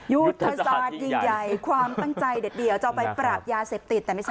ยุทธศาสตร์ยิ่งใหญ่ความตั้งใจเด็ดเดี่ยวจะเอาไปปราบยาเสพติดแต่ไม่ใช่